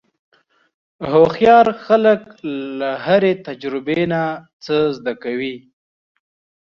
هوښیار خلک له هرې تجربې نه څه زده کوي.